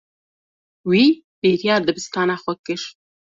Wî bêriya dibistana xwe kir.